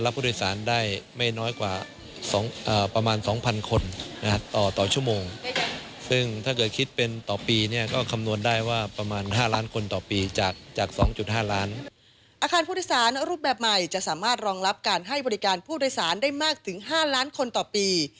ผู้โดยสารรูปแบบใหม่จะสามารถรองรับการให้บริการผู้โดยสารได้มากถึง๕ล้านคนต่อปี